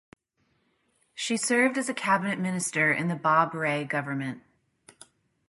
She served as a cabinet minister in the Bob Rae government.